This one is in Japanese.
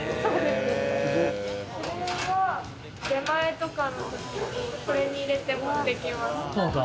これは出前とかのときに、これに入れて持っていきます。